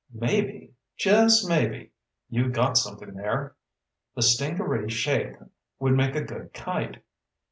"Maybe just maybe you've got something there. The stingaree shape would make a good kite.